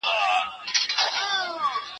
زه له سهاره د ښوونځي کتابونه مطالعه کوم!!